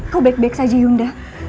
kau baik baik saja yunda